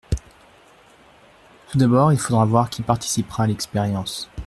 Tout d’abord il faudra voir qui participera à l’expérience.